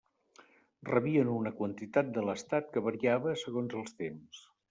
Rebien una quantitat de l'estat que variava segons els temps.